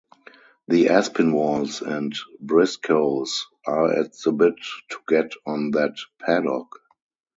The Aspinwalls and Briscoes are at the bit to get on that paddock.